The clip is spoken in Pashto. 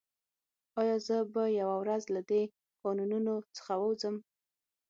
ایا زه به یوه ورځ له دې کانونو څخه ووځم